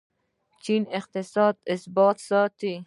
چین اقتصادي ثبات ساتي.